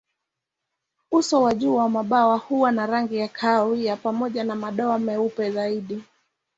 Uso wa juu wa mabawa huwa na rangi kahawia pamoja na madoa meupe zaidi.